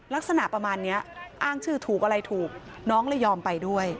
ลักษณะประมาณนี้อ้างชื่อถูกอะไรถูกน้องเลยยอมไปด้วย